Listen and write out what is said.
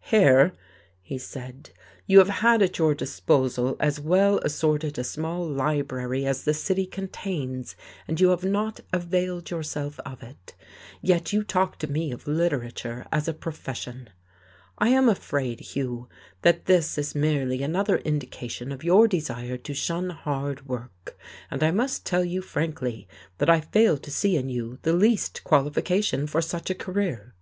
"Here," he said, "you have had at your disposal as well assorted a small library as the city contains, and you have not availed yourself of it. Yet you talk to me of literature as a profession. I am afraid, Hugh, that this is merely another indication of your desire to shun hard work, and I must tell you frankly that I fail to see in you the least qualification for such a career.